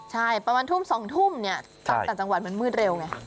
ใช่ประมาณทุ่ม๒ทุ่มเนี่ยตามต่างจังหวัดมันมืดเร็วไง